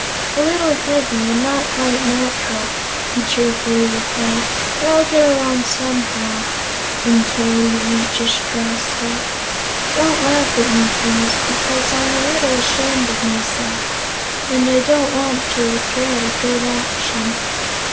"A little heavy, and not quite natural," he cheerfully replied; "but I'll get along somehow until we reach a straw stack. Don't laugh at me, please, because I'm a little ashamed of myself and I don't want to regret a good action."